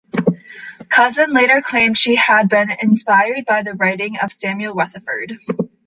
Cousin later claimed she had been inspired by the writing of Samuel Rutherford.